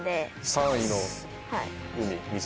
３位の湖。